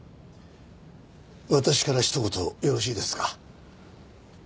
私からひと言よろしいですか？